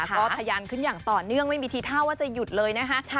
ก็ทะยานขึ้นอย่างต่อเนื่องไม่มีทีท่าว่าจะหยุดเลยนะคะ